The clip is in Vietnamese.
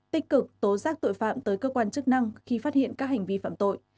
tích cực tố giác tội phạm tới cơ quan chức năng khi phát hiện các hành vi phạm tội